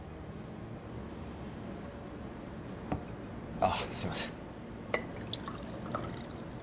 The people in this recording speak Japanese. あっすいません。